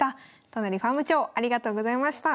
都成ファーム長ありがとうございました。